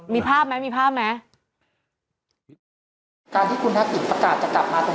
มีภาพไหม